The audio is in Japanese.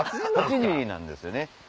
８時なんですよね。